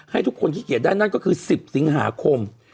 ให้ทุกคนขี้เกียจได้นั่นก็คือ๑๐สิงหาคม